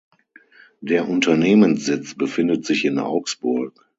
Der Unternehmenssitz befindet sich in Augsburg.